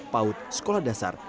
paud dan peng